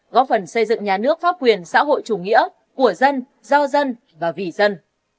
góp phần xây dựng nhà nước pháp quyền xã hội chủ nghĩa của dân do dân và vì dân